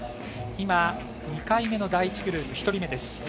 今、２回目の第１グループ、１人目です。